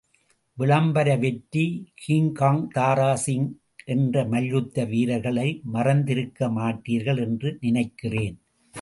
விளம்பர வெற்றி கிங்காங் தாராசிங் என்ற மல்யுத்த வீரர்களை மறந்திருக்கமாட்டீர்கள் என்று நினைக்கிறேன்.